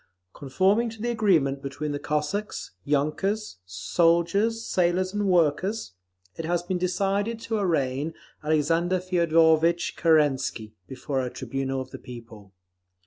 Conforming to the agreement between the Cossacks, yunkers, soldiers, sailors and workers, it has been decided to arraign Alexander Feodorvitch Kerensky before a tribunal of the people.